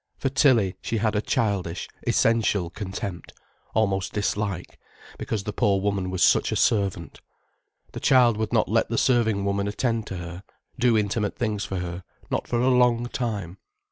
For Tilly, she had a childish, essential contempt, almost dislike, because the poor woman was such a servant. The child would not let the serving woman attend to her, do intimate things for her, not for a long time.